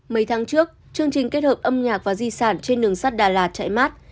mấy tháng trước chương trình kết hợp âm nhạc và di sản trên đường sắt đà lạt chạy mát